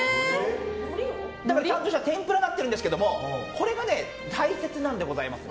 だから、ちゃんとした天ぷらになってるんですけどこれが大切なんでございます。